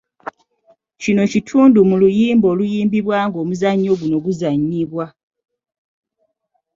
Kino kitundu mu luyimba oluyimbibwa ng'omuzannyo guno guzannyibwa.